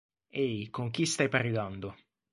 Ehi con chi stai parlando?